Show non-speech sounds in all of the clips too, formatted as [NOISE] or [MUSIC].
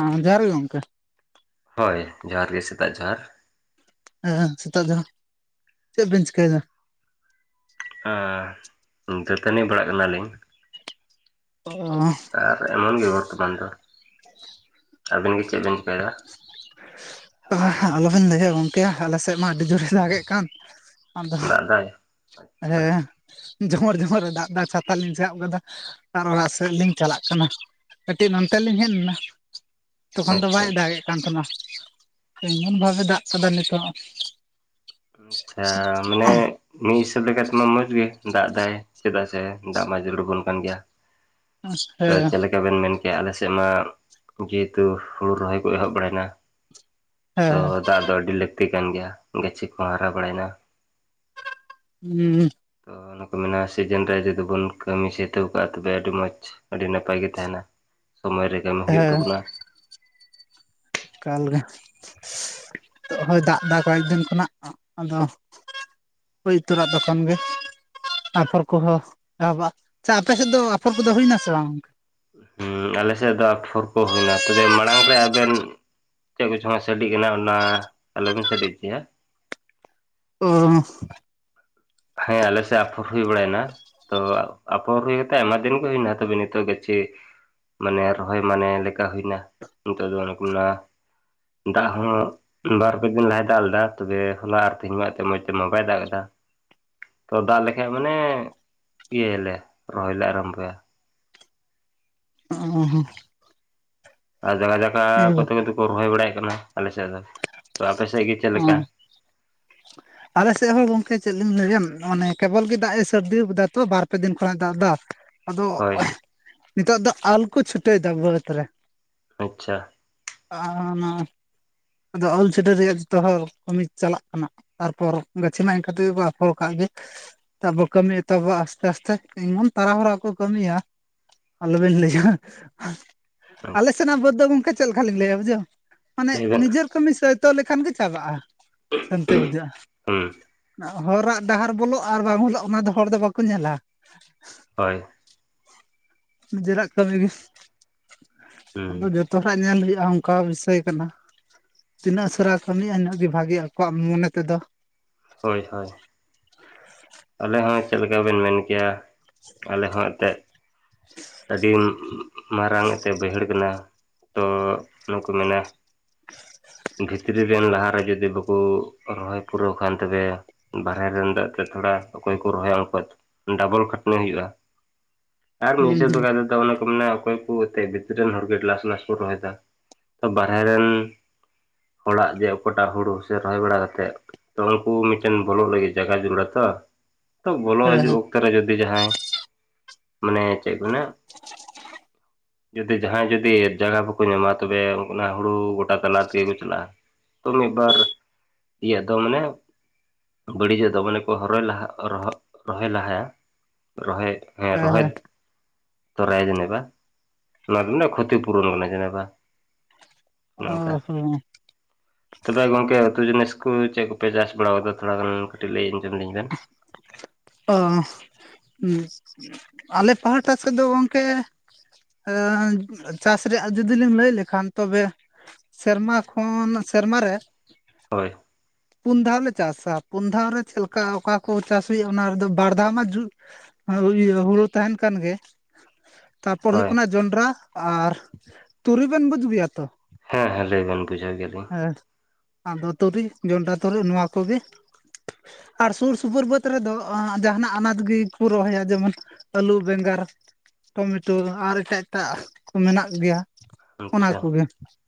ᱦᱚᱸ ᱡᱚᱦᱟᱨ ᱜᱮ ᱜᱚᱝᱠᱮ ᱾ ᱦᱳᱭ ᱡᱚᱦᱟᱨ ᱜᱮ ᱥᱮᱛᱟᱜ ᱡᱚᱦᱟᱨ ᱾ ᱦᱮᱸ ᱥᱮᱛᱟᱜ ᱡᱚᱦᱟᱨ ᱾ ᱪᱮᱫ ᱵᱤᱱ ᱪᱠᱟᱹᱭ ᱫᱟ? ᱮᱸᱻ ᱫᱟᱹᱛᱟᱹᱱᱤ ᱵᱟᱲᱟᱜ ᱠᱟᱱᱟ ᱞᱤᱧ ᱾ ᱚᱻ ᱟᱨ ᱮᱢᱚᱱ ᱜᱮ ᱵᱚᱨᱛᱚᱢᱟᱱ ᱫᱚ ᱾ ᱟᱵᱮᱱ ᱜᱮ ᱪᱮᱫ ᱵᱮᱱ ᱪᱮᱠᱟᱭ ᱫᱟ? ᱟᱞᱚ ᱵᱮᱱ ᱞᱟᱹᱭᱟ ᱜᱚᱢᱠᱮ, ᱟᱞᱮ ᱥᱮᱫ ᱢᱟ ᱟᱹᱰᱤ ᱡᱳᱨᱮ ᱫᱟᱜᱮᱫ ᱠᱟᱱ ᱾ ᱟᱫᱚ ᱫᱟᱜ ᱫᱟᱭ? ᱟᱪᱪᱷᱟ ᱾ ᱡᱷᱚᱢᱚᱨ ᱡᱷᱚᱢᱚᱨᱮ ᱫᱟᱜ ᱫᱟ, ᱪᱷᱟᱛᱟ ᱞᱤᱧ ᱥᱟᱵ ᱠᱟᱫᱟ ᱾ ᱟᱨ ᱚᱲᱟᱜ ᱥᱮᱫ ᱞᱤᱧ ᱪᱟᱞᱟᱜ ᱠᱟᱱᱟ ᱾ ᱠᱟᱹᱴᱤᱡ ᱱᱚᱱᱛᱮ ᱞᱤᱧ ᱦᱮᱡ ᱞᱮᱱᱟ ᱾ ᱛᱚᱠᱷᱚᱱ ᱫᱚ ᱟᱪᱪᱷᱟ ᱵᱟᱭ ᱟᱪᱪᱷᱟ ᱫᱟᱜ ᱮᱫ ᱠᱟᱱ ᱛᱟᱦᱮᱱᱟ ᱾ ᱮᱢᱚᱱ ᱵᱷᱟᱵᱮ ᱫᱟᱜ ᱠᱟᱫᱟ ᱱᱤᱛᱚᱜ ᱾ ᱟᱪᱪᱷᱟ, ᱢᱟᱱᱮ ᱢᱤᱫ ᱥᱮᱫ ᱞᱮᱠᱟᱛᱮ ᱢᱟ ᱢᱚᱸᱡᱽ ᱜᱮ ᱫᱟᱜ ᱫᱟᱭ, ᱪᱮᱫᱟᱜ ᱥᱮ ᱫᱟᱜ ᱢᱟ ᱡᱩᱲᱩᱨᱟᱵᱚᱱ ᱠᱟᱱ ᱜᱮᱭᱟ ᱾ ᱟᱫᱚ ᱦᱮᱸ ᱪᱮᱫ ᱞᱮᱠᱟ ᱵᱮᱱ ᱢᱮᱱ ᱠᱮᱜ-ᱟ? ᱟᱞᱮ ᱥᱮᱫ ᱢᱟ ᱡᱮᱦᱮᱛᱩ ᱦᱩᱲᱩ ᱨᱚᱦᱚᱭ ᱠᱚ ᱮᱦᱚᱵ ᱵᱟᱲᱟᱭ ᱱᱟ ᱾ ᱛᱚ ᱦᱮᱸ ᱫᱟᱜ ᱫᱚ ᱟᱹᱰᱤ ᱞᱟᱹᱠᱛᱤ ᱠᱟᱱ ᱜᱮᱭᱟ, ᱜᱟᱹᱪᱷᱤ ᱠᱚᱦᱚᱸ ᱦᱟᱨᱟ ᱵᱟᱲᱟᱭ ᱱᱟ ᱾ ᱦᱩᱸᱻ ᱾ ᱛᱚ ᱚᱱᱮᱠᱚ ᱢᱮᱱᱟ, ᱥᱤᱡᱤᱱ ᱨᱮ ᱡᱩᱫᱤ ᱵᱚᱱ ᱠᱟᱹᱢᱤ ᱥᱟᱹᱛ ᱠᱟᱜᱼᱟ ᱛᱚᱵᱮ ᱟᱹᱰᱤ ᱢᱚᱡᱽ ᱾ ᱟᱹᱰᱤ ᱱᱟᱯᱟᱭ ᱜᱮ ᱛᱟᱦᱮᱱᱟ, ᱥᱚᱢᱚᱭ ᱨᱮ ᱠᱟᱹᱢᱤ ᱦᱩᱭᱩᱜ ᱦᱮᱸ ᱛᱟᱵᱚᱱᱟ ᱾ ᱮᱠᱟᱞ ᱜᱮ, ᱱᱤᱛᱚᱜ ᱦᱚᱸᱭ ᱫᱟᱜ ᱮᱫᱟ ᱠᱚᱭᱮᱠ ᱫᱤᱱ ᱠᱷᱚᱱᱟᱜ ᱾ ᱟᱫᱚ ᱦᱩᱭ ᱩᱛᱟᱹᱨᱚᱜᱼᱟ ᱛᱚᱠᱷᱚᱱ ᱜᱮ ᱾ ᱟᱯᱷᱚᱨ ᱠᱚᱦᱚᱸ ᱮᱦᱚᱵᱚᱜᱼᱟ ᱾ ᱟᱪᱪᱷᱟ ᱟᱯᱮ ᱥᱮᱫ ᱫᱚ ᱟᱯᱷᱚᱨ ᱠᱚᱫᱚ ᱦᱩᱭᱮᱱᱟ ᱥᱮ ᱵᱟᱝ? ᱦᱩᱸ ᱟᱞᱮ ᱥᱮᱫ ᱫᱚ ᱟᱯᱷᱚᱨ ᱠᱚ ᱦᱩᱭ ᱱᱟ, ᱛᱚᱵᱮ ᱢᱟᱲᱟᱝ ᱨᱮ ᱟᱵᱮᱱ ᱪᱮᱫ ᱠᱚᱪᱚᱝ ᱦᱟᱸᱜ ᱥᱟᱰᱤ ᱠᱟᱱᱟ, ᱚᱱᱟ ᱟᱞᱚ ᱵᱤᱱ ᱥᱟᱰᱤ ᱦᱚᱪᱚᱭᱟ ᱾ ᱳᱻ ᱾ ᱦᱮᱸ ᱟᱞᱮ ᱥᱮᱫ ᱟᱯᱷᱚᱨ ᱦᱩᱭ ᱵᱟᱲᱟᱭᱮᱱᱟ ᱾ ᱛᱚ ᱟᱯᱷᱚᱨ ᱦᱳᱭ ᱠᱟᱛᱮᱫ ᱟᱭᱢᱟ ᱫᱤᱱ ᱜᱮ ᱦᱩᱭᱱᱟ, ᱛᱚᱵᱮ ᱱᱤᱛᱚᱜ ᱜᱟᱹᱪᱷᱤ ᱢᱟᱱᱮ ᱨᱚᱦᱚᱭ ᱢᱟᱱᱮ ᱞᱮᱠᱟ ᱦᱩᱭ ᱱᱟ, ᱱᱤᱛᱚᱜ ᱫᱚ ᱚᱱᱮ ᱠᱚ ᱚᱱᱟ ᱫᱟᱜ ᱦᱚᱸ ᱵᱟᱨ ᱯᱮ ᱫᱤᱱ ᱞᱟᱦᱟᱭ ᱫᱟᱜ ᱞᱮᱫᱟ ᱾ ᱛᱚᱵᱮ ᱦᱚᱞᱟ ᱟᱨ ᱛᱮᱦᱮᱧ ᱢᱟ ᱟᱡᱛᱮ ᱢᱚᱡᱽ ᱛᱮᱢᱟ ᱵᱟᱭ ᱫᱟᱜ ᱮᱫᱟ ᱾ ᱛᱚ ᱫᱟᱜ ᱞᱮᱠᱷᱟᱡ ᱢᱟᱱᱮᱻ ᱤᱭᱟᱹᱭᱟᱞᱮ, ᱨᱚᱦᱚᱭ ᱞᱮ ᱟᱨᱟᱢᱵᱚᱭᱟ ᱾ ᱦᱩᱸ ᱦᱩᱸ ᱾ ᱟᱨ ᱡᱟᱭᱜᱟ ᱡᱟᱭᱜᱟ ᱠᱚᱛᱮᱠ ᱠᱚᱫᱚ ᱠᱚ ᱨᱚᱦᱚᱭ ᱵᱟᱲᱟᱭᱮᱫ ᱠᱟᱱᱟ, ᱟᱞᱮ ᱥᱮᱫ ᱫᱚ ᱾ ᱛᱚ ᱟᱯᱮ ᱥᱮᱫ ᱜᱮ ᱪᱮᱫ ᱚ ᱞᱮᱠᱟ? [INAUDIBLE] ᱟᱞᱮ ᱥᱮᱫ ᱦᱚᱸ ᱜᱚᱢᱠᱮ ᱪᱮᱫ ᱞᱤᱧ ᱞᱟᱹᱭᱟ? ᱚᱱᱮ ᱠᱮᱵᱚᱞ ᱜᱮ ᱫᱟᱜ-ᱮ ᱥᱟᱹᱨᱫᱤᱣ ᱠᱟᱫᱟ ᱛᱚ, ᱵᱟᱨ ᱯᱮ ᱫᱤᱱ ᱠᱷᱚᱱᱟᱜᱼᱮ ᱫᱟᱜ ᱫᱟ ᱾ ᱟᱫᱚ ᱦᱳᱭ ᱱᱤᱛᱚᱜ ᱫᱚ ᱟᱞ ᱠᱚ ᱪᱷᱟᱹᱴᱟᱹᱣᱮᱫᱟ ᱵᱟᱹᱫ ᱨᱮ ᱾ ᱟᱪᱪᱷᱟ ᱾ ᱟᱻ ᱚᱱᱟ ᱟᱫᱚ ᱟᱞ ᱪᱷᱟᱹᱴᱟᱹᱭ ᱨᱮᱭᱟᱜ ᱡᱚᱛᱚ ᱦᱚᱲ ᱠᱟᱹᱢᱤ ᱪᱟᱞᱟᱜ ᱠᱟᱱᱟ ᱾ ᱛᱟᱨᱯᱚᱨ ᱜᱟᱹᱪᱷᱤ ᱢᱟ ᱮᱱᱠᱟ ᱛᱮᱜᱮ ᱠᱚ ᱟᱯᱷᱚᱨ ᱠᱟᱜ ᱜᱮ ᱾ ᱛᱟᱨᱯᱚᱨ ᱠᱟᱹᱢᱤ ᱮᱛᱚᱦᱚᱵᱚᱜ-ᱟ ᱟᱥᱛᱮ ᱟᱥᱛᱮ, ᱮᱢᱚᱱ ᱛᱟᱨᱟ ᱦᱚᱨᱟ ᱠᱚ ᱠᱟᱹᱢᱤᱭᱟ ᱾ ᱟᱞᱚ ᱵᱮᱱ ᱞᱟᱹᱭᱟ ᱾ ᱟᱞᱮ ᱟᱪᱪᱷᱟ ᱥᱮᱱᱟᱜ ᱵᱟᱹᱫᱽ ᱫᱚ ᱜᱚᱢᱠᱮ ᱪᱮᱫ ᱞᱮᱠᱟ ᱞᱤᱧ ᱞᱟᱹᱭᱟ ᱵᱩᱡᱷᱟᱹᱣ, ᱢᱟᱱᱮ ᱞᱟᱹᱭ ᱵᱮᱱ ᱥᱮᱨᱚᱠᱚᱢ ᱵᱤᱱ ᱛᱚᱫ ᱞᱮᱠᱷᱟᱱ ᱜᱮ ᱪᱟᱵᱟᱜᱼᱟ ᱥᱟᱱᱛᱤ ᱵᱩᱡᱷᱟᱹᱜᱼᱟ ᱦᱩᱸ ᱾ ᱟᱸ ᱦᱚᱨᱟᱜ ᱰᱟᱦᱟᱨ ᱵᱚᱞᱚᱜ ᱟᱨ ᱵᱟᱝ ᱵᱚᱞᱚᱜ ᱚᱱᱟ ᱫᱚ ᱦᱚᱲ ᱫᱚ ᱵᱟᱠᱚ ᱧᱮᱞᱟ᱾ ᱦᱚᱭ ᱱᱤᱡᱮᱨᱟᱜ ᱠᱟᱹᱢᱤ ᱜᱮ ᱟᱫᱚ ᱦᱩᱸ ᱡᱚᱛᱚ ᱦᱚᱲᱟᱜ ᱧᱮᱞ ᱦᱩᱭᱩᱜᱼᱟ ᱚᱱᱠᱟ ᱵᱤᱥᱚᱭ ᱠᱟᱱᱟ ᱾ ᱛᱤᱱᱟᱹᱜ ᱩᱥᱟᱹᱨᱟ ᱠᱟᱹᱢᱤᱼᱟ ᱤᱱᱟᱹᱜ ᱜᱮ ᱵᱷᱟᱜᱤᱜᱼᱟ ᱟᱠᱚᱣᱟᱜ ᱢᱚᱱᱮ ᱛᱮᱫᱚ ᱾ ᱦᱚᱭ ᱦᱚᱭ ᱟᱞᱮ ᱦᱚᱸ ᱪᱮᱫ ᱞᱮᱠᱟ ᱵᱤᱱ ᱢᱮᱱ ᱠᱮᱭᱟ ᱟᱞᱮ ᱦᱚᱸ ᱮᱱᱛᱮᱫ ᱾ ᱟᱹᱰᱤ ᱢᱟᱨᱟᱝ ᱮᱛᱮ ᱵᱟᱹᱭᱦᱟᱹᱲ ᱠᱟᱱᱟ ᱾ ᱛᱚ ᱱᱩᱠᱩ ᱢᱮᱱᱟ ᱵᱷᱤᱛᱨᱤ ᱨᱮᱱ ᱞᱟᱦᱟᱨᱮ ᱡᱩᱫᱤ ᱵᱟᱠᱚ ᱨᱚᱦᱚᱭ ᱯᱩᱨᱟᱹᱣ ᱠᱷᱟᱱ ᱛᱚᱵᱮ ᱵᱟᱨᱦᱮ ᱨᱮᱱ ᱫᱟᱜ ᱮᱴᱠᱮ ᱴᱚᱬᱮ ᱚᱠᱚᱭ ᱠᱚ ᱨᱚᱦᱚᱭᱟ ᱩᱱᱠᱩᱭᱟᱜ ᱰᱚᱵᱚᱞ ᱠᱷᱟᱹᱴᱟᱹᱱᱤ ᱦᱩᱭᱩᱜᱼᱟ ᱟᱨ ᱢᱤᱫ ᱦᱩᱸ [UNINTELLIGIBLE] ᱦᱩᱸ ᱫᱚ ᱛᱚ ᱚᱱᱮ ᱠᱚ ᱢᱮᱱᱟ ᱚᱠᱚᱭ ᱠᱚ ᱮᱛᱮ ᱵᱷᱤᱛᱨᱤᱨᱮᱱ ᱦᱚᱲ ᱜᱮ ᱞᱟᱥ ᱞᱟᱥ ᱠᱚ ᱨᱚᱦᱚᱭᱮᱫᱟ ᱾ ᱵᱟᱦᱚᱨᱮᱨᱮᱱ ᱦᱚᱲᱟᱜ ᱡᱮ ᱚᱠᱟᱴᱟᱜ ᱦᱩᱲᱩ ᱥᱮ ᱨᱚᱦᱚᱭ ᱵᱟᱲᱟ ᱠᱟᱛᱮᱫ ᱛᱚ ᱩᱱᱠᱩ ᱢᱤᱫᱴᱮᱱ ᱵᱷᱚᱞ ᱞᱟᱜᱮ ᱡᱟᱜᱜᱟ ᱡᱲᱟ ᱛᱚ ᱵᱚᱞᱚ ᱦᱮᱸ ᱦᱤᱡᱩᱜ ᱦᱮᱸ ᱚᱠᱛᱮᱚ ᱨᱮ ᱡᱩᱫᱤ ᱡᱟᱦᱟᱸᱭ ᱢᱟᱱᱮ ᱪᱮᱫ ᱠᱚ ᱢᱮᱱᱟ [INAUDIBLE] ᱡᱩᱫᱤ ᱡᱟᱦᱟᱸᱭ ᱡᱩᱫᱤ ᱮ ᱡᱟᱭᱜᱟ ᱵᱟᱠᱚ ᱧᱟᱢᱟ ᱛᱚᱵᱮ ᱚᱱᱟ ᱦᱩᱲᱩ ᱜᱚᱴᱟ ᱛᱟᱞᱟ ᱛᱮᱜᱮ ᱠᱚ ᱪᱟᱞᱟᱜᱼᱟ ᱾ ᱛᱚ ᱢᱤᱫ ᱵᱟᱨ ᱤᱭᱟᱹᱜ ᱫᱚ ᱢᱟᱱᱮ ᱵᱟᱹᱲᱤᱡᱚᱜ ᱫᱚ ᱢᱟᱱᱮ ᱠᱚ ᱨᱚᱦᱚᱭ ᱞᱟᱦᱟᱜ᱾ ᱨᱚᱦᱚᱭ ᱞᱟᱦᱟᱭᱟ ᱨᱚᱦᱚᱭ ᱦ ᱦᱮᱸ ᱨᱚᱦᱚᱭ ᱦᱮᱸ ᱛᱚ ᱨᱟᱟᱭ ᱡᱮᱱᱮᱵᱟ ᱱᱚᱮ ᱠᱷᱛᱤ ᱯᱩᱨᱚᱱ ᱠᱟᱱᱟ ᱡᱮᱱᱮᱵᱟ ᱾ ᱚ ᱚᱱᱝᱠᱟ ᱦᱚᱸ ᱛᱚᱵᱮ ᱜᱚᱢᱠᱮ ᱩᱛᱩ ᱡᱤᱱᱤᱥ ᱠᱚ ᱪᱮᱫ ᱠᱚᱯᱮ ᱪᱟᱥ ᱵᱟᱲᱟ ᱠᱟᱫᱟ ᱛᱷᱚᱲᱟ ᱜᱟᱱ ᱠᱟᱹᱴᱤᱡ ᱞᱟᱹᱭ ᱟᱸᱡᱚᱢ ᱞᱤᱧ ᱵᱮᱱ ᱾ ᱟ. ᱦᱮᱸ ᱟᱞᱮ ᱯᱟᱦᱴᱟ ᱥᱮᱫ ᱫᱚ ᱜᱚᱝᱠᱮ ᱪᱟᱥ ᱨᱮᱭᱟᱜ ᱡᱩᱫᱤ ᱞᱤᱧ ᱞᱟᱹᱭ ᱞᱮᱠᱷᱟᱱ ᱛᱚᱵᱮ ᱥᱮᱨᱢᱟ ᱠᱷᱚᱱ ᱥᱮᱨᱢᱟ ᱨᱮ ᱦᱚᱭ ᱯᱩᱱ ᱫᱷᱟᱣᱞ ᱞᱮ ᱪᱟᱥᱟ ᱯᱩᱱ ᱫᱷᱟᱣ ᱨᱮ ᱪᱮᱫᱠᱟ ᱚᱠᱟ ᱠᱚ ᱪᱟᱥ ᱦᱩᱭᱩᱜᱼᱟ ᱚᱱᱟ ᱨᱮᱫᱚ ᱵᱟᱨ ᱫᱷᱟᱣ ᱢᱟ ᱡᱩᱛ ᱦᱩᱲᱩ ᱛᱟᱦᱮᱱ ᱠᱟᱱ ᱜᱮ ᱛᱟᱨᱯᱚᱨ ᱦᱩᱭᱩᱜ ᱦᱳᱭ ᱠᱟᱱᱟ ᱡᱚᱱᱰᱨᱟ ᱟᱨ ᱛᱩᱲᱤ ᱵᱮᱱ ᱵᱩᱡᱩᱜ ᱜᱮᱭᱟ ᱛᱚ? ᱦᱮᱸ ᱦᱮᱸ ᱞᱟᱹᱭᱵᱮᱱ ᱵᱩᱡᱟᱹᱣ ᱠᱮᱫᱭᱟᱞᱤᱧ ᱾ ᱦᱮᱸ ᱟᱫᱚ ᱛᱩᱨᱤ ᱡᱚᱱᱰᱨᱟ ᱛᱩᱨᱤ ᱱᱚᱣᱟ ᱠᱚᱜᱮ ᱟᱨ ᱥᱩᱨ ᱥᱩᱯᱩᱨ ᱵᱟᱹᱫᱽ ᱨᱮᱫᱚ ᱡᱟᱦᱟᱱᱟᱜ ᱟᱱᱟᱡ ᱜᱮᱠᱚ ᱨᱚᱦᱚᱭᱟ ᱡᱮᱢᱚᱱ ᱟᱹᱞᱩ ᱵᱮᱸᱜᱟᱲ ᱾ ᱴᱚᱢᱮᱴᱚ ᱟᱨ ᱮᱴᱟᱜ ᱮᱴᱟᱜ ᱠᱚ ᱢᱮᱱᱟᱜ ᱜᱮᱭᱟ ᱾ ᱟᱪᱪᱷᱟ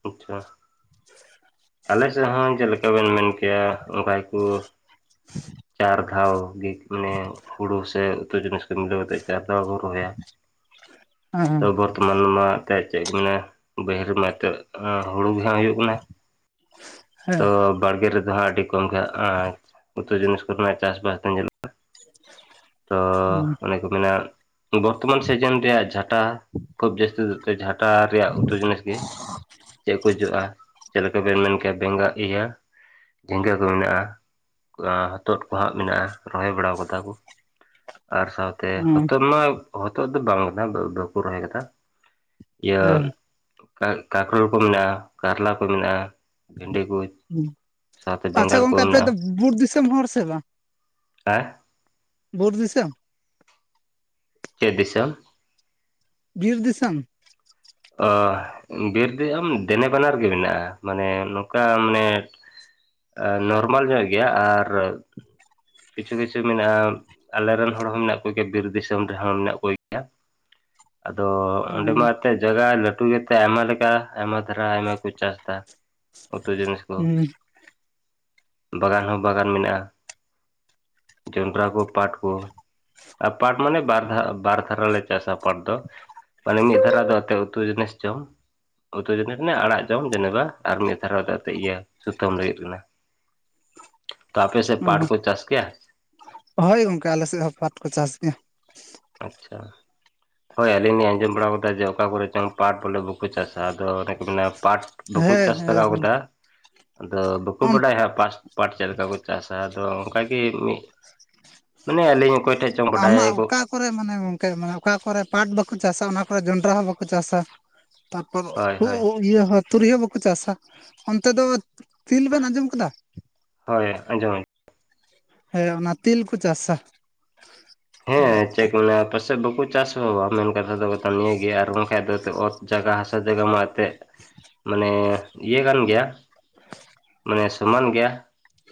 ᱟᱪᱪᱷᱟ ᱟᱞᱮ ᱥᱮᱫ ᱦᱚᱸ ᱪᱮᱫ ᱞᱮᱠᱟ ᱵᱮᱱ ᱢᱮᱱ ᱠᱮᱭᱟ ᱚᱱᱠᱟ ᱜᱮ ᱠᱚ ᱪᱟᱨ ᱫᱷᱟᱣ ᱜᱮ ᱢᱟᱱᱮ ᱦᱳᱲᱳ ᱥᱮ ᱩᱛᱩ ᱡᱤᱱᱤᱥ ᱠᱚ ᱢᱤᱞᱟᱹᱣ ᱠᱟᱛᱮᱫ ᱪᱟᱨ ᱫᱷᱟᱣ ᱠᱚ ᱨᱚᱦᱚᱭᱟ ᱦᱮᱸ ᱛᱨ [UNINTELLIGIBLE] ᱵᱚᱨᱛᱚᱢᱟᱱ ᱢᱟ ᱮᱱᱛᱮᱫ ᱪᱮᱫ ᱠᱚ ᱢᱮᱱᱟ ᱵᱟᱹᱦᱤᱨ ᱨᱮ ᱢᱟ ᱮᱱᱛᱮᱫ ᱦᱩᱲᱩ ᱜᱮᱦᱟᱸᱜ ᱦᱩᱭᱩᱜ ᱠᱟᱱᱟ ᱾ ᱦᱮᱸ ᱛᱚ ᱵᱟᱲᱜᱮ ᱨᱮᱫᱚ ᱦᱟᱸᱜ ᱟᱹᱰᱤ ᱠᱚᱢ ᱜᱮ ᱦᱟ ᱩᱛᱩ ᱡᱤᱱᱤᱥ ᱠᱚᱨᱮᱱᱟᱜ ᱪᱟᱥ-ᱵᱟᱥ ᱫᱚ ᱧᱮᱞᱚᱜᱼᱟ ᱾ [UNINTELLIGIBLE] ᱛᱚ ᱚᱱᱮ ᱠᱚ ᱢᱮᱱᱟ ᱵᱚᱨᱛᱚᱢᱟᱱ ᱥᱤᱡᱤᱱ ᱨᱮᱭᱟᱜ ᱡᱷᱟᱴᱟ ᱠᱷᱩᱵ ᱡᱟᱹᱥᱛᱤ ᱡᱷᱟᱴᱟ ᱨᱮᱭᱟᱜ ᱩᱛᱩ ᱡᱤᱱᱤᱥ ᱜᱮ ᱪᱮᱫ ᱠᱚ ᱡᱚᱜᱼᱟ ᱪᱮᱫ ᱞᱮᱠᱟ ᱵᱮᱱ ᱢᱮᱱ ᱠᱮᱭᱟ ᱵᱮᱸᱜᱟᱲ ᱤᱭᱟᱹ ᱡᱷᱤᱸᱜᱟᱹ ᱠᱚ ᱢᱮᱱᱟᱜᱼᱟ ᱦᱚᱛᱚᱫ ᱠᱚ ᱦᱟᱸᱜ ᱢᱮᱱᱟᱜᱼᱟ ᱨᱚᱦᱚᱭ ᱵᱟᱲ ᱠᱟᱫᱟ ᱠᱚ ᱾ ᱟᱨ ᱥᱟᱶᱛᱮ ᱦᱮᱸ ᱦᱚᱛᱚᱫ ᱢᱟ ᱦᱚᱛᱚᱫ ᱫᱚ ᱵᱟᱝ ᱠᱟᱱᱟ ᱵᱟᱠᱚ ᱨᱚᱦᱚᱭ ᱠᱟᱫᱟ ᱾ ᱤᱭᱟᱹ [UNINTELLIGIBLE] ᱠᱚ ᱢᱮᱱᱟᱜᱼᱟ, ᱠᱟᱨᱞᱟ ᱠᱚ ᱢᱮᱱᱟᱜᱼᱟ ᱾ ᱵᱷᱮᱱᱰᱤ ᱠᱚ ᱦᱮᱸ ᱥᱟᱶᱛᱮ ᱟᱪᱪᱷᱟ ᱵᱮᱸᱜᱟᱲ ᱠᱚ ᱜᱚᱝᱠᱮ ᱟᱯᱮ ᱢᱮᱱᱟᱜᱼᱟ ᱫᱚ ᱾ ᱵᱩᱨ ᱫᱤᱥᱚᱢ ᱦᱚᱲ ᱥᱮ ᱵᱟᱝ ᱦᱮᱸ [UNINTELLIGIBLE] [UNINTELLIGIBLE] ᱪᱟᱹᱤᱥ ᱫᱤᱥᱚᱢ? ᱵᱤᱨ ᱫᱤᱥᱚᱢ ᱾ ᱟᱻ ᱵᱤᱨ ᱫᱚ ᱟᱢ ᱫᱮᱱᱮ ᱵᱟᱱᱟᱨ ᱜᱮ ᱢᱮᱱᱟᱜᱼᱟ᱾ ᱢᱟᱱᱮ ᱱᱚᱝᱠᱟ ᱢᱟᱱᱮ ᱟ ᱱᱚᱨᱢᱟᱞ ᱧᱚᱜ ᱜᱮᱭᱟ ᱟᱨ ᱠᱤᱪᱷᱩ ᱼ ᱠᱤᱪᱷᱩ ᱢᱮᱱᱟᱜᱼᱟ ᱟᱞᱮᱨᱮ ᱨᱮᱱ ᱦᱚᱲ ᱦᱚᱸ ᱢᱮᱱᱟᱜ ᱠᱚᱜᱮᱭᱼᱟ, ᱵᱤᱨ ᱫᱤᱥᱚᱢ ᱨᱮᱦᱚᱸ ᱢᱮᱱᱟᱜ ᱠᱚᱜᱮᱭᱼᱟ ᱟᱫᱚ ᱚ ᱚᱸᱰᱮ ᱢᱟ ᱮᱱᱛᱮᱫ ᱡᱟᱭᱜᱼᱟ ᱞᱟᱹᱴᱩ ᱜᱮᱛᱮ ᱟᱭᱢᱟ ᱞᱮᱠᱟ, ᱟᱭᱢᱟ ᱫᱷᱟᱨᱟ, ᱟᱭᱢᱟ ᱠᱚ ᱪᱟᱥ ᱮᱫᱟ ᱩᱛᱩ ᱡᱤᱱᱤᱥ ᱠᱚ ᱦᱩᱸ ᱵᱟᱜᱟᱱ ᱦᱚᱸ ᱵᱟᱜᱟᱱ ᱢᱮᱱᱟᱜᱼᱟ ᱡᱚᱸᱰᱨᱟ ᱠᱚ ᱯᱟᱴ ᱠᱚ ᱟᱨ ᱯᱟᱴ ᱢᱟᱱᱮ ᱵᱟᱨ ᱫᱷᱟ ᱵᱟᱨ ᱫᱷᱟᱨᱟᱞᱮ ᱪᱟᱥᱟ ᱯᱟᱴ ᱫᱚ ᱢ ᱢᱤᱫ ᱫᱷᱚᱨᱟ ᱫᱚ ᱛᱮ ᱩᱛᱩ ᱡᱤᱱᱤᱥ ᱡᱚᱢ ᱩᱛᱩ ᱡᱟᱹᱱᱤ ᱨᱮᱱᱟᱜ ᱟᱲᱟᱜ ᱡᱚᱢ ᱡᱮᱱᱮ ᱟᱨ ᱢᱤᱫ ᱫᱷᱟᱨᱟᱛᱮᱫ ᱤᱭᱟᱹ ᱥᱩᱛᱟᱹᱢ ᱞᱟᱹᱜᱤᱫ ᱠᱟᱱᱟ᱾ ᱛ ᱟᱯᱮ ᱥᱮ ᱯᱴ ᱚ ᱠᱚ ᱪᱟᱥ ᱜᱮᱭᱟ ᱦᱳᱭ ᱜᱚᱝᱠᱮ ᱟᱞᱮ ᱥᱮᱫ ᱦᱚᱸ ᱯᱟᱴ ᱠᱚ ᱪᱟᱥ ᱜᱮᱭᱟ᱾ ᱟᱪᱪᱷᱟ ᱦᱳᱭ ᱟᱹᱞᱤᱧ ᱞᱤᱧ ᱟᱸᱡᱚᱢ ᱵᱟᱲᱟᱣ ᱠᱟᱫᱟ ᱡᱮ ᱚᱠᱟ ᱠᱚᱨᱮ ᱪᱚᱝ ᱯᱟᱴ ᱵᱚᱞᱮ ᱵᱟᱠᱚ ᱪᱟᱥᱟ ᱟᱫᱚ ᱚᱱᱮᱠᱚ ᱢᱮᱱᱟ ᱯᱟᱴ ᱵᱟᱠᱩ ᱦᱮᱸ ᱪᱟᱥ ᱞᱟᱜᱟᱣ ᱠᱟᱫᱟ ᱦᱮᱸ ᱟᱫᱚ ᱵᱟᱠᱚ ᱵᱟᱰᱟᱭᱼᱟ ᱦᱚᱜ ᱯᱟᱥ ᱯᱟᱴ ᱪᱮᱫ ᱞᱮᱠᱟ ᱠᱚ ᱪᱟᱥᱟ, ᱟᱫᱚ ᱚᱱᱠᱟᱜᱮ ᱢᱤᱫ ᱢᱟᱱᱮ ᱟᱹᱞᱤᱧ ᱚᱠᱚᱭ ᱴᱷᱮᱡ ᱪᱚᱝ ᱵᱟᱰᱟᱭ ᱟᱢᱟᱜ ᱜᱚᱜ ᱚᱠᱟ ᱠᱚᱨᱮ ᱢᱟᱱᱮ ᱜᱚᱝᱠᱮ ᱢᱟᱱᱮ ᱚᱠᱟ ᱠᱚᱨᱮ ᱯᱟᱴ ᱵᱟᱠᱚ ᱪᱟᱥᱟ ᱚᱱᱟ ᱠᱚᱨᱮ ᱡᱚᱱᱰᱨᱟ ᱦᱚᱸ ᱵᱟᱠᱚ ᱪᱟᱥᱟ᱾ ᱛᱟᱨᱯᱚᱨ ᱦᱳᱭ ᱦᱩ ᱦᱳᱭ [UNINTELLIGIBLE] ᱤᱭᱟᱹ ᱦᱚᱸ ᱛᱩᱨᱤᱭᱳ ᱦᱚᱸ ᱵᱟᱠᱚ ᱪᱟᱥᱟ, ᱚᱱᱛᱮ ᱫᱚ ᱛᱤᱞ ᱵᱮᱱ ᱟᱸᱡᱚᱢ ᱠᱟᱫᱟ? ᱦᱳᱭ ᱟᱸᱡᱚᱢ᱾ ᱦᱮᱸ ᱚᱱᱟ ᱛᱤᱞ ᱠᱚ ᱪᱟᱥᱟ᱾ ᱦᱮᱸ ᱪᱮᱫᱠᱚ ᱢᱮᱱᱟ [UNINTELLIGIBLE] ᱯᱟᱥᱮᱫ ᱵᱟᱠᱚ ᱪᱟᱥᱵᱟᱵᱟ ᱢᱮᱱ ᱠᱟᱛᱷᱟ ᱫᱚ ᱱᱤᱭᱟᱹᱜᱮ ᱟᱨ ᱵᱟᱝᱠᱷᱟᱡ ᱫᱚ ᱚᱛ ᱡᱟᱭᱜᱟ ᱦᱟᱥᱟ ᱡᱟᱭ ᱢᱟ ᱮᱱᱛᱮᱫ ᱢᱟᱱᱮ ᱤᱭᱟᱹ ᱠᱟᱱ ᱜᱮᱭᱟ ᱢᱟᱱᱮ ᱥᱚᱢᱟᱱ ᱜᱮᱭᱟ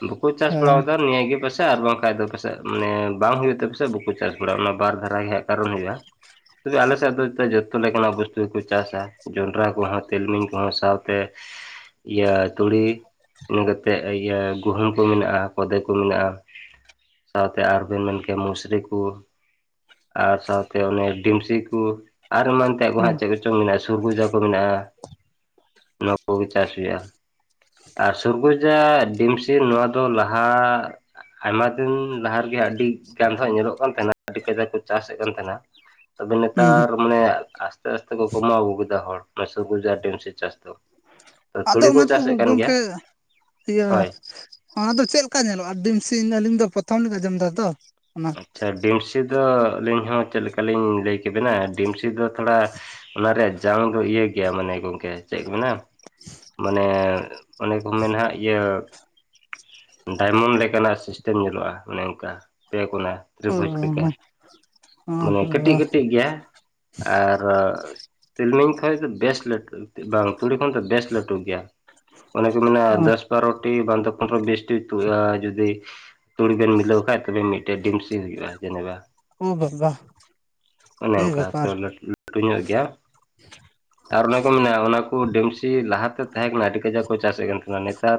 ᱵᱟᱠᱚ ᱪᱟᱥ ᱦᱮᱸ ᱵᱟᱲᱟᱣᱠᱟᱫᱼᱟ ᱱᱤᱭᱟᱹ ᱜᱮ ᱵᱟᱥ ᱟᱨ ᱵᱟᱝᱠᱷᱟᱡ ᱫᱚ ᱯᱟᱥᱮᱫ ᱢᱟᱱᱮ ᱵᱟᱝ ᱦᱩᱭᱩᱜ ᱛᱮ ᱯᱟᱥᱮ ᱵᱟᱠᱚ ᱪᱟᱥ ᱵᱟᱲᱟᱜᱼᱟ ᱚᱱᱟ ᱵᱟᱨ ᱫᱷᱟᱨᱟ ᱜᱮᱷᱟᱜ ᱠᱟᱨᱚᱱ ᱦᱩᱭᱩᱜᱼᱟ ᱛᱚᱵᱮ ᱟᱞᱮ ᱥᱮᱫ ᱫᱚ ᱡᱚᱛᱚ ᱞᱮᱠᱟᱱᱟᱜ ᱚᱵᱚᱥᱳ ᱜᱮᱠᱚ ᱪᱟᱥᱼᱟ ᱡᱚᱱᱰᱨᱟ ᱠᱚᱦᱚᱸ ᱛᱤᱞᱢᱤᱧ ᱠᱚᱦᱚᱸ ᱥᱟᱶᱛᱮ ᱤᱭᱟᱹ ᱛᱩᱲᱤ ᱤᱱᱟᱹ ᱠᱟᱛᱮᱫ ᱤᱭᱟᱹ ᱜᱩᱦᱩᱢ ᱠᱚ ᱢᱮᱱᱟᱜᱼᱟ, ᱠᱷᱚᱫᱮ ᱠᱚ ᱢᱮᱱᱟᱜᱼᱟ ᱥᱟᱶᱛᱮ ᱟᱨ ᱵᱮᱱ ᱢᱮᱱ ᱠᱮᱫᱟ ᱢᱩᱥᱨᱤ ᱠᱚ ᱟᱨ ᱥᱟᱶᱛᱮ ᱚᱱᱮ ᱰᱤᱢᱥᱤ ᱠᱩ ᱟᱨ ᱮᱢᱟᱱ ᱛᱮᱭᱟᱜ ᱠᱚ ᱦᱩᱸ ᱦᱟᱸᱜ ᱪᱮᱫ ᱠᱚᱪᱚᱝ ᱢᱮᱱᱟᱜᱼᱟ, ᱥᱩᱨᱜᱩᱡᱟ ᱠᱚ ᱢᱮᱱᱟᱜᱼᱟ, ᱱᱚᱣᱟ ᱠᱚᱜᱮ ᱪᱟᱥ ᱦᱩᱭᱩᱜᱼᱟ᱾ ᱟᱨ ᱥᱩᱨᱜᱩᱡᱟ ᱰᱤᱢᱥᱤ ᱱᱚᱣᱟ ᱫᱚ ᱞᱟᱦᱟ ᱟᱭᱢᱟ ᱫᱤᱱ ᱞᱟᱦᱟ ᱨᱮᱜᱮ ᱟᱹᱰᱤ ᱜᱟᱱ ᱫᱚᱦᱟᱸᱜ ᱧᱮᱞᱚᱜ ᱠᱟᱱ ᱛᱟᱦᱮᱱᱼᱟ ᱟᱹᱰᱤ ᱠᱟᱡᱟᱠ ᱠᱚ ᱪᱟᱥᱮᱫ ᱠᱟᱱ ᱛᱟᱦᱮᱱᱟ ᱛᱚᱵᱮ ᱦᱩᱸ ᱦᱩᱸ ᱱᱮᱛᱟᱨ ᱢᱟᱱᱮ ᱟᱥᱛᱮ ᱟᱥᱛᱮ ᱠᱚ ᱠᱚᱢᱟᱣ ᱟᱹᱜᱩ ᱠᱮᱫᱟ ᱦᱚᱲ ᱥᱩᱨᱵᱩᱡᱟ ᱟᱨ ᱰᱤᱢᱥᱤ ᱪᱟᱥ ᱫᱚ᱾ ᱟᱫᱚ ᱛᱩᱲᱤ ᱠᱚ ᱚᱱᱟ ᱫᱚ ᱪᱟᱥᱮᱫ ᱠᱟᱱ ᱜᱮᱭᱟ ᱜᱚᱝᱠᱮ ᱤᱭᱟᱹ ᱦᱳᱭ ᱚᱱᱟᱫᱚ ᱪᱮᱫ ᱞᱮᱠᱟ ᱧᱮᱞᱚᱜᱼᱟ? ᱰᱤᱢᱥᱤ ᱟᱹᱞᱤᱧ ᱫᱚ ᱯᱨᱚᱛᱷᱚᱢ ᱞᱤᱧ ᱟᱸᱡᱚᱢ ᱮᱫᱟ ᱛᱚ ᱚᱱᱟ [UNINTELLIGIBLE] ᱰᱤᱢᱥᱤ ᱫᱚ ᱟᱹᱞᱤᱧ ᱦᱚᱸ ᱪᱮᱫ ᱞᱮᱠᱟᱞᱤᱧ ᱞᱟᱹᱭ ᱠᱮᱵᱮᱱᱼᱟ ᱰᱤᱢᱥᱤ ᱫᱚ ᱛᱷᱚᱲᱟ ᱚᱱᱟ ᱨᱮᱭᱟᱜ ᱡᱟᱝ ᱫᱚ ᱤᱭᱟᱹ ᱜᱮᱭᱟ ᱢᱟᱱᱮ ᱜᱚᱝᱠᱮ ᱪᱮᱫ ᱠᱚ ᱢᱮᱱᱟ ᱢᱟᱱᱮ ᱚᱱᱮ ᱠᱚ ᱢᱮᱱᱦᱟᱜ ᱤᱭᱟᱹ ᱰᱟᱭᱢᱚᱱᱰ ᱞᱮᱠᱟᱱᱟᱼᱜ ᱥᱤᱥᱴᱮᱢ ᱧᱮᱞᱚᱜᱼᱟ ᱚᱱᱮ ᱚᱱᱠᱟ ᱯᱮ ᱠᱟᱱᱟ ᱚ [UNINTELLIGIBLE] ᱞᱮᱠᱟ ᱦᱚᱸ ᱢᱟᱱᱮ ᱠᱟᱹᱴᱤᱡ ᱠᱟᱹᱴᱤᱡ ᱜᱮᱭᱟ ᱟᱨᱻ ᱛᱤᱞᱢᱤᱧ ᱠᱷᱚᱡ ᱫᱚ ᱵᱮᱥ ᱞᱟᱹᱴᱩ ᱵᱟᱝ ᱛᱩᱲᱤ ᱠᱷᱚᱱ ᱫᱚ ᱵᱮᱥ ᱞᱟᱹᱴᱩ ᱜᱮᱭᱟ ᱚᱱᱮ ᱠᱚ ᱢᱮᱱᱟ ᱚ ᱫᱚᱥ ᱵᱟᱨᱴᱤ ᱵᱟᱝᱫᱚ ᱯᱚᱛᱷᱚᱢ ᱵᱤᱥᱴᱤ ᱡᱩᱫᱤ ᱛᱩᱲᱤ ᱵᱮᱱ ᱢᱤᱞᱟᱹᱣ ᱠᱷᱟᱡ ᱛᱚᱵᱮ ᱢᱤᱫᱴᱮᱡ ᱰᱤᱢᱥᱤ ᱦᱩᱭᱩᱜᱼᱟ ᱡᱮᱱᱮᱵᱟ ᱚ ᱵᱟᱵᱟ ᱚᱱᱮ ᱮ ᱚᱱᱠᱟ ᱵᱮᱯᱟᱨ ᱛᱚᱵᱮ ᱞᱟᱹᱴᱩ ᱞᱟᱴᱩ ᱧᱚᱜ ᱜᱮᱭᱟ ᱟᱨ ᱚᱱᱮ ᱠᱚ ᱢᱮᱱᱟ ᱚᱱᱟ ᱠᱚ ᱰᱮᱢᱥᱤ ᱞᱟᱦᱟᱛᱮ ᱛᱟᱦᱮᱸ ᱠᱟᱱᱟ, ᱟᱹᱰᱤ ᱠᱟᱡᱟᱠ ᱠᱚ ᱪᱟᱥᱮᱫ ᱠᱟᱱ ᱛᱟᱦᱮᱱᱟ᱾ ᱱᱮᱛᱟᱨ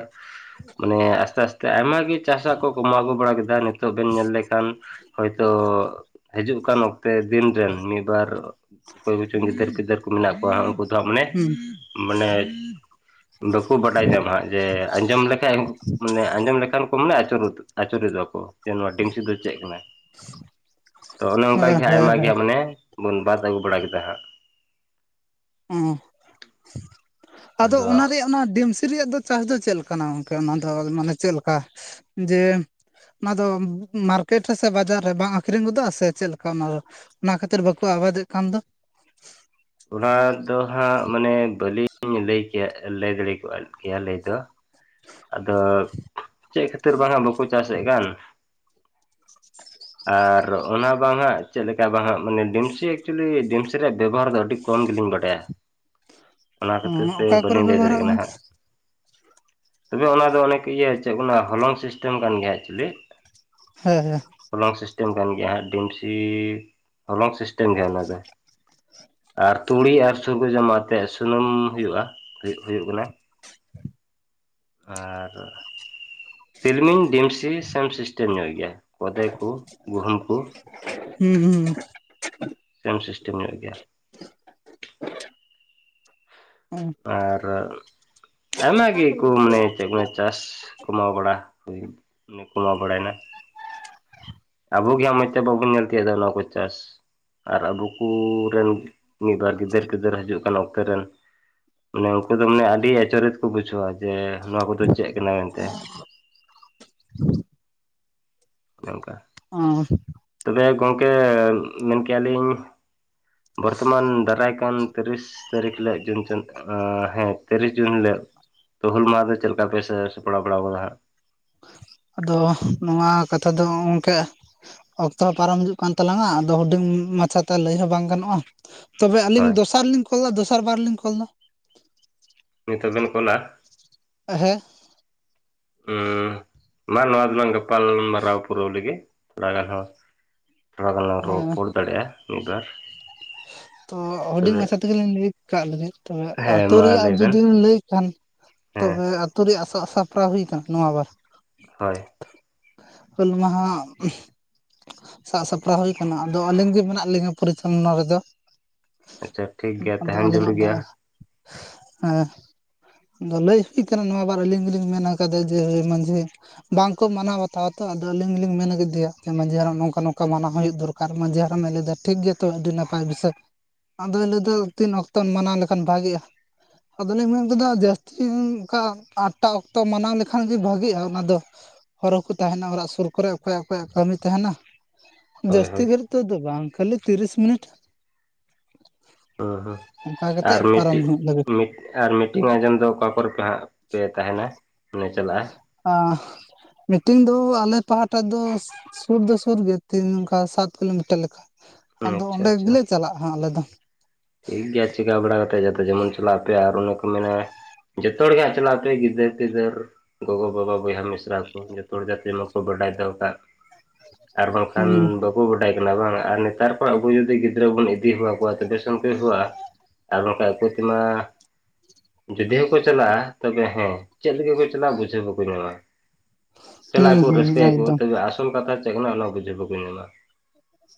ᱢᱟᱱᱮ ᱟᱥᱛᱮ ᱟᱥᱛᱮ ᱟᱭᱢᱟ ᱜᱮ ᱪᱟᱥᱟᱜ ᱠᱚ ᱠᱚᱢᱟᱣ ᱟᱜᱩ ᱵᱟᱲᱟ ᱠᱮᱫᱟ᱾ ᱱᱤᱛᱚᱜ ᱵᱮᱱ ᱧᱮᱞ ᱞᱮ ᱠᱷᱟᱱ ᱦᱚᱭᱛᱳ ᱦᱤᱡᱩᱜ ᱠᱟᱱ ᱚᱠᱛᱮ ᱫᱤᱱ ᱨᱮᱱ ᱢᱤᱫ ᱵᱟᱨ ᱚᱠᱚᱭ ᱠᱚᱪᱚᱝ ᱜᱤᱫᱟᱹᱨ - ᱯᱤᱫᱟᱹᱨ ᱠᱚ ᱢᱮᱱᱟᱜ ᱠᱚᱣᱟ, ᱩᱱᱠᱩ ᱫᱚ ᱦᱟᱸᱜ ᱢᱟᱱᱮ ᱦᱩᱸ ᱢᱟᱱᱮ ᱵᱟᱠᱚ ᱵᱟᱰᱟᱭ ᱧᱟᱢᱟ ᱦᱟᱸᱜ ᱡᱮ ᱟᱸᱡᱚᱢ ᱞᱮᱠᱷᱟᱡ ᱢᱟᱱᱮ ᱟᱸᱡᱚᱢ ᱞᱮᱠᱷᱟᱱ ᱠᱚ ᱢᱟᱱᱮ ᱟᱹᱪᱩᱨ ᱜᱚᱫᱚᱜᱼᱟᱠᱚ ᱡᱮ ᱱᱚᱣᱟ ᱰᱤᱢᱥᱤ ᱫᱚ ᱪᱮᱫ ᱠᱟᱱᱟ? ᱛᱚ ᱚᱱᱮ ᱚᱱᱠᱟ ᱦᱮᱸ ᱜᱮ ᱦᱟᱸᱜ ᱦᱮᱸ ᱟᱭᱢᱟ ᱜᱮ ᱦᱮᱸ ᱢᱟᱱᱮ ᱵᱚᱱ ᱵᱟᱫ ᱟᱹᱜᱩ ᱵᱟᱲᱟ ᱠᱮᱫᱟ ᱦᱟᱸᱜ᱾ ᱦᱩᱸ ᱦᱩᱸ ᱟᱫᱚ ᱚᱱᱟ ᱨᱮᱭᱟᱜ ᱚᱱᱟ ᱰᱤᱢᱥ ᱨᱮᱭᱟᱜ ᱫᱚ ᱪᱟᱥ ᱫᱚ ᱪᱮᱫ ᱞᱮᱠᱟᱱᱟ? ᱜᱚᱢᱠᱮ ᱚᱱᱟ ᱫᱚ ᱢᱟᱱᱮ ᱪᱮᱫ ᱞᱮᱠᱟ ᱡᱮ ᱚᱱᱟ ᱫᱚ ᱢᱟᱨᱠᱮᱴ ᱨᱮ ᱥᱮ ᱵᱟᱡᱟᱨ ᱨᱮ ᱵᱟᱝ ᱟᱠᱷᱨᱤᱧ ᱜᱚᱫᱚᱜᱼᱟ ᱥᱮ ᱪᱮᱫ ᱞᱮᱠᱟ ᱚᱱᱟ ᱚᱱᱟ ᱠᱷᱟᱹᱛᱤᱨ ᱵᱟᱠᱚ ᱟᱵᱟᱫᱮᱜ ᱠᱟᱱ ᱫᱚ? ᱚᱱᱟ ᱫᱚ ᱦᱟᱸᱜ ᱢᱟᱱᱮ ᱵᱟᱹᱞᱤᱧ ᱞᱟᱹᱭ ᱠᱮᱭᱟ ᱞᱟᱹᱭ ᱫᱟᱲᱮ ᱠᱚᱜᱼᱟ, ᱠᱮᱭᱟ ᱞᱟᱹᱭ ᱫᱚ ᱾ ᱟᱫᱚ ᱪᱮᱫ ᱠᱷᱟᱹᱛᱤᱨ ᱵᱟᱝ ᱠᱚ ᱪᱟᱥᱮᱫ ᱠᱟᱱ ᱾ [INAUDIBLE] ᱟᱨ ᱚᱱᱟ ᱵᱟᱝ ᱦᱟᱜ ᱪᱮᱫ ᱞᱮᱠᱟ ᱵᱟᱝ ᱦᱟᱸᱜ ᱢᱟᱱᱮ ᱰᱤᱢᱥᱤ ᱮᱠᱪᱩᱭᱮᱞᱤ ᱰᱤᱢᱥᱤ ᱨᱮᱭᱟᱜ ᱵᱮᱵᱚᱦᱟᱨ ᱫᱚ ᱟᱹᱰᱤ ᱠᱚᱢ ᱜᱮᱞᱤᱧ ᱵᱟᱰᱟᱭᱟ ᱾ ᱚᱱᱟ ᱠᱷᱟᱹᱛᱤᱨ ᱛᱮ ᱚᱠᱟ ᱠᱚᱨᱮ ᱵᱟᱹᱞᱤᱧ ᱞᱟᱹᱭ ᱫᱟᱲᱮᱭᱟᱜ ᱵᱮᱵᱚᱦᱟᱨᱚᱜᱼᱟ ᱠᱟᱱᱟ ᱜᱚᱝᱠᱮ? ᱦᱟᱸᱜ ᱾ ᱛᱚᱵᱮ ᱚᱱᱟ ᱫᱚ ᱚᱱᱮᱠ ᱤᱭᱟᱹ ᱪᱮᱫ ᱠᱚ ᱢᱮᱱᱟ ᱦᱚᱞᱚᱝ ᱥᱤᱥᱴᱮᱢ ᱠᱟᱱ ᱜᱮᱭᱟ ᱮᱠᱪᱩᱭᱮᱞᱤ ᱾ ᱦᱮᱸ ᱦᱮᱸ ᱾ ᱦᱚᱞᱚᱝ ᱥᱤᱥᱴᱮᱢ ᱠᱟᱱ ᱜᱮᱭᱟ ᱦᱟᱸᱜ ᱾ ᱰᱤᱢᱥᱤ ᱦᱚᱞᱚᱝ ᱥᱤᱥᱴᱮᱢ ᱜᱮᱭᱟ ᱚᱱᱟ ᱫᱚ ᱾ ᱟᱨ ᱛᱩᱲᱤ ᱟᱨ ᱥᱩᱨ ᱠᱚ ᱡᱚᱢᱟ ᱟᱛᱮᱫ ᱥᱩᱱᱩᱢ ᱦᱩᱭᱩᱜᱼᱟ, ᱦᱩᱭᱩᱜ ᱠᱟᱱᱟ ᱾ ᱟᱨ ᱛᱤᱞᱢᱤᱧ ᱰᱤᱢᱥᱤ ᱥᱮᱢ ᱥᱤᱥᱴᱮᱢ ᱧᱚᱜ ᱜᱮᱭᱟ, ᱠᱚᱫᱮ ᱠᱚ, ᱜᱩᱦᱩᱢ ᱠᱩ ᱦᱩᱸ ᱦᱩᱸ ᱾ ᱥᱮᱢ ᱥᱤᱥᱴᱮᱢ ᱧᱚᱜ ᱜᱮᱭᱟ ᱾ ᱦᱩᱸ ᱟᱨ ᱟᱭᱢᱟ ᱜᱮᱠᱚ ᱢᱟᱱᱮ ᱪᱮᱫ ᱠᱚ ᱢᱮ ᱪᱟᱥ ᱠᱚᱢᱟᱣ ᱵᱟᱲᱟ ᱦᱩᱭᱮ ᱠᱚᱢᱟᱣ ᱵᱟᱲᱟᱭᱮᱱᱟ ᱾ ᱟᱵᱚ ᱜᱮ ᱢᱚᱡᱽ ᱛᱮ ᱵᱟᱵᱚᱱ ᱧᱮᱞ ᱛᱤᱭᱳᱜ ᱫᱟ ᱚᱱᱟ ᱠᱚ ᱪᱟᱥ ᱟᱨ ᱟᱵᱚ ᱠᱩᱻ ᱨᱮᱱ ᱢᱤᱫ ᱵᱟᱨ ᱜᱤᱫᱟᱹᱨ ᱯᱤᱫᱟᱹᱨ ᱦᱤᱡᱩᱜ ᱠᱟᱱᱟ ᱚᱠᱛᱮ ᱨᱮᱱ ᱾ ᱢᱟᱱᱮ ᱩᱱᱠᱩ ᱫᱚ ᱢᱟᱱᱮ ᱟᱹᱰᱤ ᱟᱹᱪᱚᱨᱤᱛ ᱠᱚ ᱵᱩᱡᱷᱟᱹᱣᱟ ᱡᱮ ᱱᱚᱣᱟ ᱠᱚᱫᱚ ᱪᱮᱫ ᱠᱟᱱᱟ ᱢᱮᱱᱛᱮ ᱾ [INAUDIBLE] ᱚᱱᱮ ᱱᱚᱝᱠᱟ ᱚ ᱛᱚᱵᱮ ᱜᱚᱝᱠᱮ ᱢᱮᱱᱠᱮᱜᱼᱟ ᱞᱤᱧ ᱵᱚᱨᱛᱚᱢᱟᱱ ᱫᱟᱨᱟᱭ ᱠᱟᱱ ᱛᱤᱨᱤᱥ ᱛᱟᱹᱨᱤᱠᱷ ᱦᱤᱞᱳᱜ ᱡᱩᱱ ᱪᱟᱸᱫᱚ ᱦᱮᱸ ᱛᱤᱨᱤᱥ ᱡᱩᱱ ᱦᱤᱞᱳᱜ ᱛᱚ, ᱦᱩᱞ ᱢᱟᱦᱟ ᱫᱚ ᱪᱮᱫ ᱞᱮᱠᱟ ᱯᱮ ᱥᱟᱯᱲᱟᱣ ᱵᱟᱲᱟᱣ ᱟᱠᱟᱫᱟ ᱦᱟᱸᱜ? ᱟᱫᱚ ᱱᱚᱣᱟ ᱠᱟᱛᱷᱟ ᱫᱚ ᱜᱚᱢᱠᱮ ᱚᱠᱛᱚ ᱯᱟᱨᱚᱢ ᱦᱤᱡᱩᱜ ᱠᱟᱱ ᱛᱟᱞᱟᱝᱼᱟ᱾ ᱟᱫᱚ ᱦᱩᱰᱤᱧ ᱢᱟᱪᱷᱟᱛᱮ ᱞᱟᱹᱭ ᱦᱚᱸ ᱵᱟᱝ ᱜᱟᱱᱚᱜᱼᱟ ᱾ ᱛᱚᱵᱮ ᱟᱹᱞᱤᱧ ᱦᱳᱭ ᱫᱚᱥᱟᱨᱞᱤᱧ ᱠᱚᱞ ᱮᱫᱟ, ᱫᱚᱥᱟᱨ ᱵᱟᱨ ᱞᱤᱧ ᱠᱚᱞ ᱮᱫᱟ ᱾ ᱱᱤᱛᱚᱜ ᱵᱮᱱ ᱠᱚᱞᱟ ᱦᱮᱸ᱾ ᱦᱩᱸ, ᱢᱟ ᱱᱚᱣᱟ ᱫᱚᱞᱟᱝ ᱜᱟᱯᱟᱞ ᱢᱟᱨᱟᱨᱟᱣ ᱯᱩᱨᱟᱹ ᱞᱮᱜᱮ ᱛᱷᱚᱲᱟ ᱨᱮᱦᱚᱸ ᱾ ᱛᱷᱚᱲᱟ ᱜᱟᱱᱞᱟᱝ ᱨᱚᱲ ᱦᱮᱸ ᱨᱚᱯᱚᱲ ᱫᱟᱲᱮᱭᱟᱜᱼᱟ ᱢᱤᱫᱵᱟᱨ ᱾ ᱛᱚ ᱦᱩᱰᱤᱝ ᱢᱟᱪᱷᱟ ᱛᱮᱜᱮ ᱞᱤᱧ ᱞᱟᱹᱭ ᱠᱟᱜ ᱞᱮᱜᱮ ᱛᱚᱵᱮ ᱦᱮᱸ ᱟᱹᱛᱩ ᱢᱟ ᱨᱮᱭᱟᱜ ᱞᱟᱹᱭ ᱵᱮᱱ ᱡᱩᱫᱤᱢ ᱞᱟᱹᱭ ᱠᱷᱟᱱ ᱦᱮᱸ ᱛᱚᱵᱮ ᱟᱹᱛᱩ ᱨᱮᱭᱟᱜ ᱥᱟᱜᱥᱯᱲᱟᱣ ᱦᱩᱭ ᱟᱠᱟᱱᱟ ᱱᱚᱣᱟ ᱵᱟᱨ ᱾ ᱦᱳᱭ ᱾ ᱦᱩᱞ ᱢᱟᱦᱟ᱾ ᱥᱟᱵᱥᱟᱯᱲᱟᱣ ᱦᱩᱭᱠᱟᱱᱟ, ᱟᱫᱚ ᱟᱹᱞᱤᱧ ᱜᱮ ᱢᱮᱱᱟᱜ ᱞᱤᱧᱟᱹ ᱯᱚᱨᱤᱪᱟᱞᱚᱱᱟ ᱨᱮᱫᱚ ᱾ ᱟᱪᱪᱷᱟ ᱴᱷᱤᱠ ᱜᱮᱭᱟ ᱟᱫᱚ ᱛᱟᱦᱮᱱ ᱡᱟᱹᱨᱩᱲ ᱟᱞᱮᱭᱟᱜ ᱫᱚ ᱜᱮᱭᱟ ᱦᱮᱸ ᱟᱫᱚ ᱞᱟᱹᱭ ᱦᱩᱭ ᱠᱟᱱᱟ ᱱᱚᱣᱟ ᱫᱚ ᱟᱞᱤᱧ ᱜᱮᱞᱤᱧ ᱢᱮᱱ ᱠᱟᱫᱟ ᱡᱮ, ᱢᱚᱸᱡᱽ ᱜᱮ᱾ ᱵᱟᱝᱠᱚ ᱢᱟᱱᱟᱣ ᱵᱟᱛᱟᱣᱟ ᱛᱚ ᱟᱫᱚ ᱟᱹᱞᱤᱧ ᱜᱮᱞᱤᱧ ᱢᱮᱱ ᱟᱠᱟᱮᱭᱟ ᱡᱮ ᱢᱟᱹᱡᱷᱤ ᱦᱟᱱ ᱱᱚᱝᱠᱟ ᱱᱚᱝᱠᱟ ᱢᱟᱱᱟᱣ ᱦᱩᱭᱩᱜ ᱫᱚᱨ ᱠᱟᱨ ᱢᱟᱺᱡᱷᱤ ᱦᱟᱲᱟᱢᱮ ᱞᱟᱹᱭᱮᱫᱟ ᱴᱷᱤᱠ ᱜᱮᱭᱟ ᱛᱚ ᱟᱹᱰᱤ ᱱᱟᱯᱟᱭ ᱵᱤᱥᱚᱭ᱾ ᱟᱫᱚᱭ ᱞᱟᱹᱭᱫᱟ ᱛᱤᱱ ᱚᱠᱛᱚ ᱢᱟᱱᱟᱣ ᱞᱮᱠᱷᱟᱱ ᱵᱷᱟᱜᱤᱜᱼᱟ᱾ ᱟᱫᱚᱞᱤᱧ ᱢᱮᱱ ᱠᱮᱫᱟ ᱡᱟᱹᱥᱛᱤ ᱚᱝᱠᱟ ᱟᱴᱴᱟ ᱚᱠᱛᱚ ᱢᱟᱱᱟᱣ ᱞᱮᱠᱷᱟᱱ ᱜᱮ ᱵᱷᱟᱜᱤᱜ-ᱟ ᱚᱱᱟ ᱫᱚ᱾ ᱦᱚᱨᱦᱚ ᱠᱚ ᱛᱟᱦᱮᱱᱟ ᱚᱲᱟᱜ ᱥᱩᱨ ᱠᱚᱨᱮ, ᱚᱠᱚᱭᱟᱜ ᱚᱠᱚᱭᱟᱜ ᱠᱟᱹᱢᱤ ᱛᱟᱦᱮᱱᱟ᱾ ᱦᱳᱭ ᱡᱟᱹᱥᱛᱤ ᱦᱳᱭ ᱜᱷᱟᱲᱤᱡ ᱛᱮᱫ ᱫᱚ ᱵᱟᱝ ᱠᱷᱟᱹᱞᱤ ᱛᱤᱨᱤᱥ ᱢᱤᱱᱤᱴ᱾ ᱦᱩᱸ ᱦᱩᱸ ᱚᱱᱠᱟ ᱟᱨ ᱠᱟᱛᱮᱫ ᱯᱟᱨᱚᱢ ᱢᱤᱫᱴᱤᱡ ᱦᱩᱭᱩᱜ ᱞᱟᱹᱜᱤᱫ ᱢᱤᱫ ᱟᱨ ᱢᱤᱴᱤᱝ ᱟᱸᱡᱚᱢ ᱫᱚ ᱚᱠᱟ ᱠᱚᱨᱮ ᱯᱮ ᱦᱟᱸᱜ ᱯᱮ ᱛᱟᱦᱮᱱᱟ ᱢᱟᱱᱮ ᱪᱟᱞᱟᱜᱼᱟ? ᱟᱸᱻ ᱢᱤᱴᱤᱱ ᱫᱚ ᱟᱞᱮ ᱯᱟᱦᱴᱟ ᱫᱚ ᱥᱩᱨ ᱫᱚ ᱥᱩᱨ ᱜᱮ ᱛᱤᱱ ᱱᱚᱝᱠᱟ ᱥᱟᱛ ᱠᱤᱞᱳᱢᱤᱴᱟᱨ ᱞᱮᱠᱟ᱾ ᱟᱫᱚ ᱟᱪᱪᱷᱟ ᱚᱸᱰᱮ ᱟᱪᱪᱷᱟ ᱜᱮᱞᱮ ᱪᱟᱞᱟᱜᱼᱟ ᱦᱟᱸᱜ ᱟᱞᱮ ᱫᱚ᱾ ᱴᱷᱤᱠ ᱜᱮᱭᱟ ᱪᱮᱠᱟ ᱵᱟᱲᱟ ᱠᱟᱛᱮ ᱡᱟᱛᱮ ᱡᱮᱢᱚᱱ ᱪᱟᱞᱟᱜ ᱟᱯᱮ ᱟᱨ ᱩᱱ ᱠᱚ ᱢᱮᱱᱟ ᱡᱚᱛᱚ ᱦᱚᱲ ᱜᱮ ᱦᱟᱸᱜ ᱪᱟᱞᱟᱜ ᱯᱮ ᱜᱤᱫᱟᱹᱨ ᱯᱤᱫᱟᱹᱨ ᱜᱚᱜᱚᱼᱵᱟᱵᱟ ᱵᱚᱭᱦᱟ ᱢᱤᱥᱨᱟ ᱠᱚ ᱡᱚᱛᱚ ᱦᱚᱲ ᱡᱟᱛᱮ ᱢᱟᱠᱚ ᱵᱟᱰᱟᱭ ᱫᱚᱦ ᱠᱟᱜ ᱟᱨ ᱵᱟᱝᱠᱷᱟᱱ ᱦᱩᱸ ᱵᱟᱠᱚ ᱵᱟᱰᱟᱭ ᱠᱟᱱᱟ ᱵᱟᱝ ᱟᱨ ᱱᱮᱛᱟᱨ ᱠᱚ ᱟᱵᱚ ᱡᱩᱫᱤ ᱜᱤᱫᱽᱨᱟᱹ ᱵᱚᱱ ᱤᱫᱤ ᱦᱮᱣᱟ ᱠᱚᱣᱟ ᱛᱚᱵᱮ ᱥᱮᱱ ᱠᱚ ᱦᱮᱣᱟᱜ-ᱟ, ᱟ ᱟᱨ ᱵᱟᱝᱠᱷᱟᱱ ᱟᱠᱚ ᱛᱮᱢᱟ ᱡᱩᱫᱤ ᱦᱚᱸᱠᱚ ᱪᱟᱞᱟᱜᱼᱟ ᱛᱚᱵᱮ ᱦᱮᱸ ᱪᱮᱫ ᱞᱟᱹᱜᱤᱜᱫ ᱠᱚ ᱪᱟᱞᱟᱜᱼᱟ ᱵᱩᱡᱷᱟᱹᱣ ᱵᱟᱠᱚ ᱧᱟᱢᱟ, ᱦᱩᱸ ᱪᱟᱞᱟᱜ-ᱟ ᱠᱚ ᱦᱩᱸ ᱨᱟᱹᱥᱠᱟᱹᱭᱟᱠᱚ ᱮᱠᱫᱚᱢ ᱠᱤᱱ ᱟᱥᱚᱞ ᱠᱟᱛᱷᱟ ᱪᱮᱫ ᱠᱟᱱᱟ ᱚᱱᱟ ᱵᱩᱡᱷᱟᱹᱣ ᱵᱟᱠᱚ ᱧᱟᱢᱟ,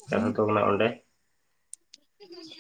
ᱠᱟᱛᱷᱟ ᱫᱚ ᱠᱟᱱᱟ ᱚᱸᱰᱮ [UNINTELLIGIBLE]